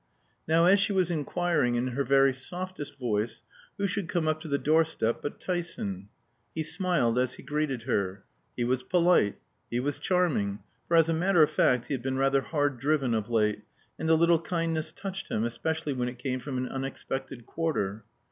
Now as she was inquiring in her very softest voice, who should come up to the doorstep but Tyson. He smiled as he greeted her. He was polite; he was charming; for as a matter of fact he had been rather hard driven of late, and a little kindness touched him, especially when it came from an unexpected quarter.